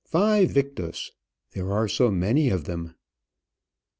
Væ victis! there are so many of them!